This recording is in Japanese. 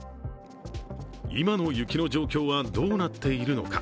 今の雪の状況はどうなっているのか。